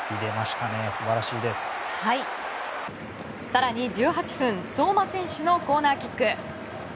更に１８分相馬選手のコーナーキック。